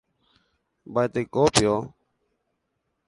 Mba'etekópio.